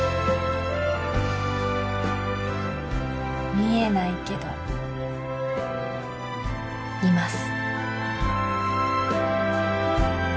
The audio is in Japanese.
見えないけどいます